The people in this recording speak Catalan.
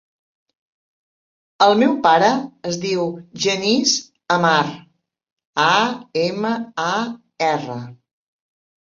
El meu pare es diu Genís Amar: a, ema, a, erra.